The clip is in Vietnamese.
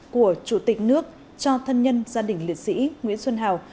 của chủ tịch nước cho thân nhân gia đình liệt sĩ nguyễn xuân hào